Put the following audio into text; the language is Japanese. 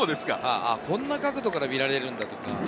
こんな角度から見られるんだと。